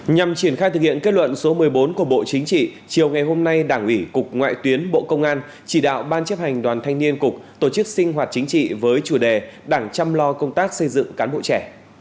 nhằm triển khai thực hiện kết luận số một mươi bốn của bộ chính trị chiều ngày hôm nay đảng ủy cục ngoại tuyến bộ công an chỉ đạo ban chấp hành đoàn thanh niên cục tổ chức sinh hoạt chính trị với chủ đề đảng chăm lo công tác xây dựng cán bộ trẻ